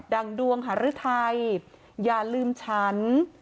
ั่งดวงหารือไทยอย่าลืมฉัน